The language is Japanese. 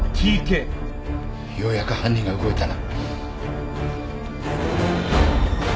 ようやく犯人が動いたな。